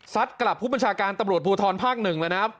ซัดกลับผู้บัญชาการตำรวจภูทรภาค๑เลยนะครับ